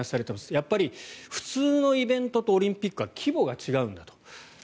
やっぱり普通のイベントとオリンピックは規模が違うんだと。